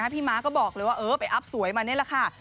ม้าก็บอกเลยว่าเออไปอัพสวยมานี่แหละค่ะ